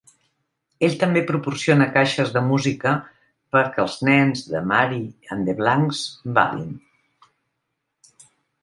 Ell també proporciona caixes de música per que els nens de Mary and the Banks ballin.